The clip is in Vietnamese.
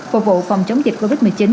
phục vụ phòng chống dịch covid một mươi chín